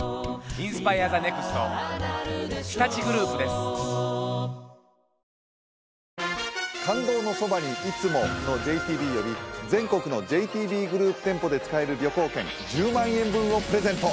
すごい青い海みたい「感動のそばに、いつも。」のＪＴＢより全国のＪＴＢグループ店舗で使える旅行券１０万円分をプレゼント！